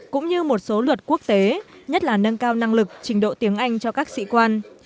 cũng như một số luật quốc tế nhất là nâng cao năng lực trình độ tiếng anh cho các sĩ quan